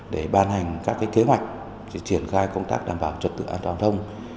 để ban hành các kế hoạch triển khai công tác đảm bảo trật tự an toàn giao thông